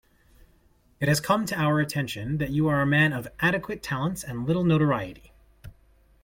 It has come to our attention that you are a man of adequate talents and little notoriety.